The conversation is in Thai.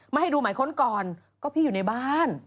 ให้ดูหมายค้นก่อนก็พี่อยู่ในบ้าน